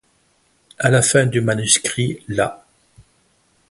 À la fin du manuscrit lat.